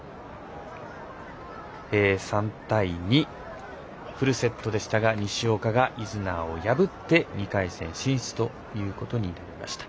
３対２、フルセットでしたが西岡がイズナーを破って２回戦進出となりました。